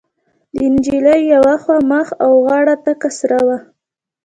د نجلۍ يوه خوا مخ او غاړه تکه سره وه.